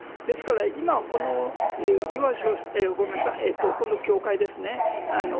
ですから、今、この今度、会ですね。